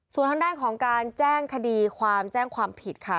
ส่วนทางด้านของการแจ้งคดีความแจ้งความผิดค่ะ